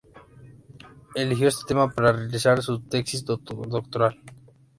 Eligió este tema para realizar su tesis doctoral.